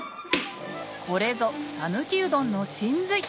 これぞ讃岐うどんの神髄